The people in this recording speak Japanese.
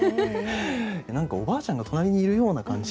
何かおばあちゃんが隣にいるような感じ。